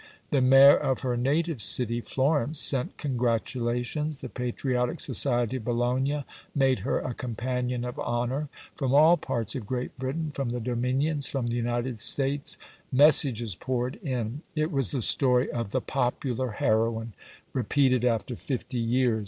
The Mayor of her native city, Florence, sent congratulations; the Patriotic Society of Bologna made her a Companion of Honour. From all parts of Great Britain, from the Dominions, from the United States, messages poured in. It was the story of "The Popular Heroine" repeated after fifty years.